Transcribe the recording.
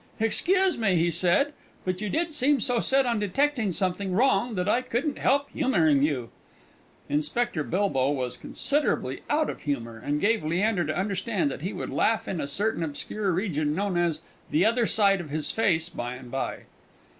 "Excuse me," he said, "but you did seem so set on detecting something wrong, that I couldn't help humouring you!" Inspector Bilbow was considerably out of humour, and gave Leander to understand that he would laugh in a certain obscure region, known as "the other side of his face," by and by.